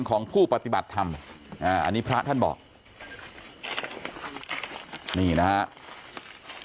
ของผู้ปฏิบัติธรรมอ่าอันนี้พระท่านบอกนี่นะครับ